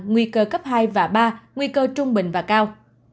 nguy cơ cấp hai và ba nguy cơ trung bình và cao